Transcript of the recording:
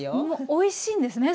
おいしいんですね